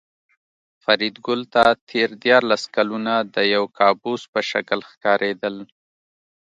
فریدګل ته تېر دیارلس کلونه د یو کابوس په شکل ښکارېدل